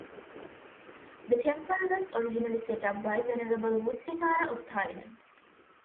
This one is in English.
The temple was originally set up by Venerable Vutthisara of Thailand.